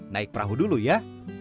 naik perahu dulu ya